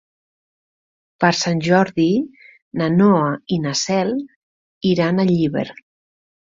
Per Sant Jordi na Noa i na Cel iran a Llíber.